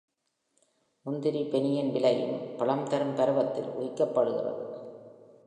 முந்திரி ஃபெனியின் விலையும் பழம்தரும் பருவத்தில் ஊகிக்கப்படுகிறது.